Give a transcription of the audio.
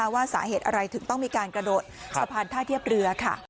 ว่าสาเหตุอะไรถึงต้องมีการกระโดดสะพานท่าเทียบเรือ